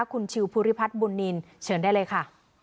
คุณชิวภูริพัฒน์บุญนินเชิญได้เลยค่ะ